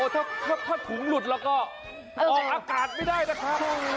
ถ้าถุงหลุดแล้วก็ออกอากาศไม่ได้นะครับ